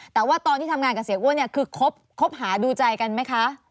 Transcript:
แต่ว่าตอนที่ทำงานกับเสียอ้วนเนี่ยคือคบหาดูใจกันไหมคะ